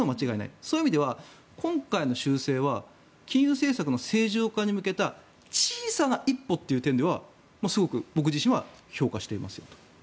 そういう意味では今回の修正は金融政策の正常化に向けた小さな一歩という点では僕はすごく評価していますよと。